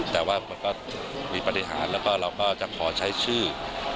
แต่ว่ามันก็มีปฏิหารแล้วก็เราก็จะขอใช้ชื่อ